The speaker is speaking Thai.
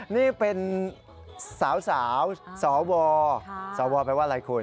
นี่เป็นสาวสวสวแปลว่าอะไรคุณ